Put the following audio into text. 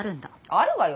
あるわよ